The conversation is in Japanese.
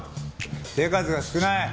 手数が少ない。